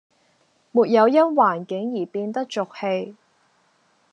沒有因環境而變得俗氣